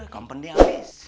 kompen dia abis